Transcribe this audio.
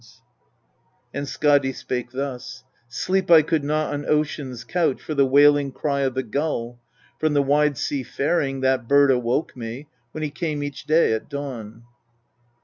273 And Skadi spake thus :' Sleep I could not on ocean's couch for the wailing cry of the gull : from the wide sea faring, that bird awoke me when he came each day at dawn.'